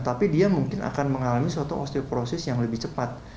tapi dia mungkin akan mengalami suatu osteoporosis yang lebih cepat